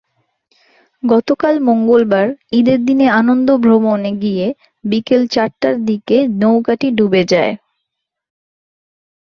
গতকাল মঙ্গলবার ঈদের দিনে আনন্দভ্রমণে গিয়ে বিকেল চারটার দিকে নৌকাটি ডুবে যায়।